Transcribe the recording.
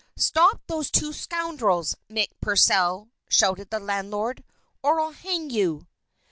"Stop those two scoundrels, Mick Purcell," shouted the landlord, "or I'll hang you!"